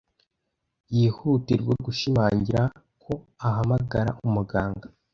Yihutirwa gushimangira ko ahamagara umuganga.